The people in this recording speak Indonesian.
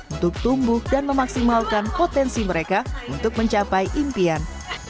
untuk tumbuh dan memaksimalkan potensi mereka untuk mencapai impian